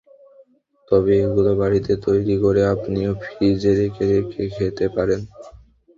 তবে এগুলো বাড়িতে তৈরি করে আপনিও ফ্রিজে রেখে রেখে খেতে পারেন।